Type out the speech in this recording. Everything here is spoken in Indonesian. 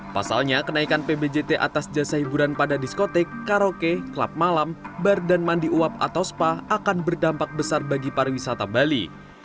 pasalnya kenaikan pbjt atas jasa hiburan pada diskotik karaoke klub malam bar dan mandi uap atau spa akan berdampak besar bagi pariwisata bali